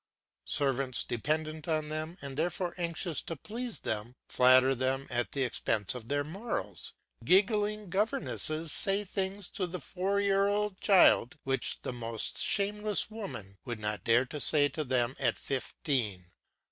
Servants, dependent on them, and therefore anxious to please them, flatter them at the expense of their morals; giggling governesses say things to the four year old child which the most shameless woman would not dare to say to them at fifteen.